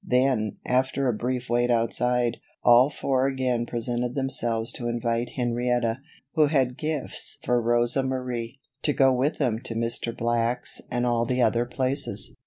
Then, after a brief wait outside, all four again presented themselves to invite Henrietta, who had gifts for Rosa Marie, to go with them to Mr. Black's and all the other places.